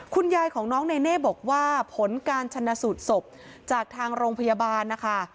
คุณยายของน้องเนเน่บอกว่าผลการชนะสูตรศพจากทางโรงพยาบาลนะคะ